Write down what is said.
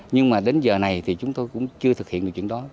nhưng mà đến giờ này thì chúng tôi cũng chưa thực hiện được chuyện đó